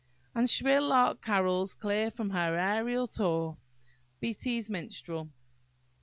"And shrill lark carols clear from her aërial tour." BEATTIE'S Minstrel.